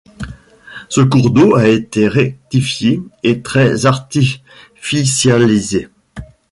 Ce cours d'eau a été rectifié et très artificialisé.